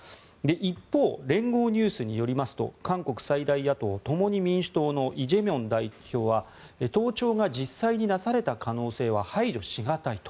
一方、連合ニュースによりますと韓国最大野党・共に民主党のイ・ジェミョン代表は盗聴が実際になされた可能性は排除し難いと。